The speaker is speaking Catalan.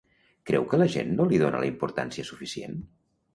Creu que la gent no li dona la importància suficient?